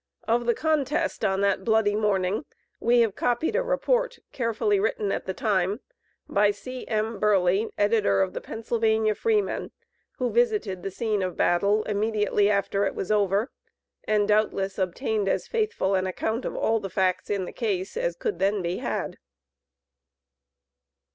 Of the contest, on that bloody morning, we have copied a report, carefully written at the time, by C.M. Burleigh, editor of the "Pennsylvania Freeman," who visited the scene of battle, immediately after it was over, and doubtless obtained as faithful an account of all the facts in the case, as could then be had.